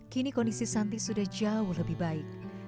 kini kondisi santi sudah jauh lebih baik